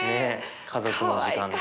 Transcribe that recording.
家族の時間で。